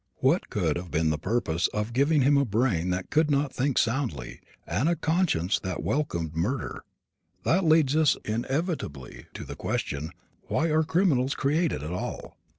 What could have been the purpose of giving him a brain that could not think soundly and a conscience that welcomed murder? That leads us inevitably to the question, Why are criminals created at all?